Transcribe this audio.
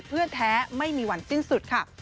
เพื่อนแท้ไม่มีหวันสิ้นสุดค่ะ